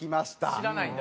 知らないんだ。